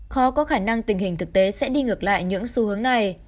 khó có khả năng tình hình thực tế sẽ đi ngược lại những xu hướng này